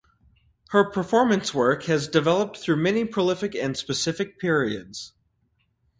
Her performance work has developed through many prolific and specific periods.